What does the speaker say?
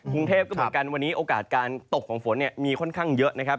กรุงเทพก็เหมือนกันวันนี้โอกาสการตกของฝนเนี่ยมีค่อนข้างเยอะนะครับ